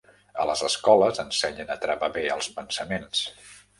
A les escoles ensenyen a travar bé els pensaments.